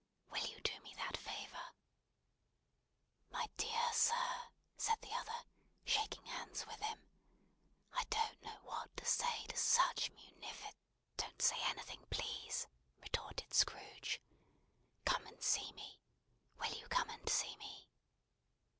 Will you do me that favour?" "My dear sir," said the other, shaking hands with him. "I don't know what to say to such munifi " "Don't say anything, please," retorted Scrooge. "Come and see me. Will you come and see me?"